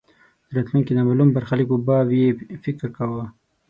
د راتلونکې نامالوم برخلیک په باب یې فکر کاوه.